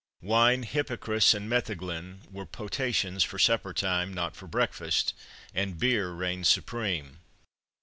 Wine, hippocras, and metheglin were potations for supper time, not for breakfast, and beer reigned supreme.